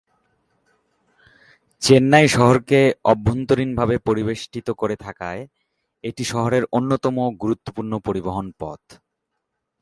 চেন্নাই শহরকে অভ্যন্তরীণভাবে পরিবেষ্টিত করে থাকায় এটি শহরের অন্যতম গুরুত্বপূর্ণ পরিবহন পথ।